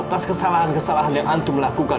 atas kesalahan kesalahan yang antu melakukan